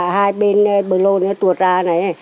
hai bên bờ lồ nó tuột ra này